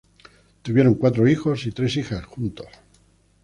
Tuvieron cuatro hijos y tres hijas juntos.